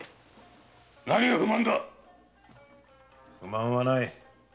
何が不満だ⁉不満はない。